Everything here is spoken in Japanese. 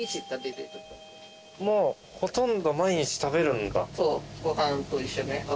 もうほとんど毎日食べるんだ。